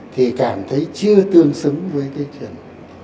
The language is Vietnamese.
thì cảm thấy chưa tương xứng với cái tiềm năng